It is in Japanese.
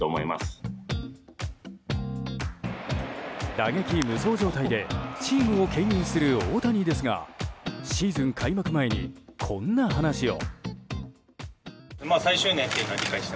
打撃無双状態でチームを牽引する大谷ですがシーズン開幕前にこんな話を。